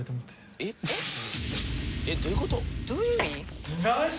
えっどういう事？